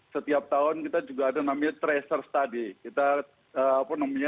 setiap tahun kita juga ada namanya tracer study